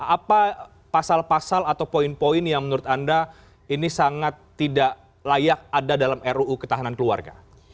apa pasal pasal atau poin poin yang menurut anda ini sangat tidak layak ada dalam ruu ketahanan keluarga